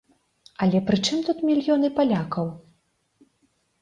Але пры чым тут мільёны палякаў?